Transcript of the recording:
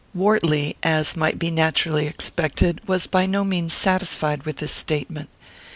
Wortley, as might be naturally expected, was by no means satisfied with this statement.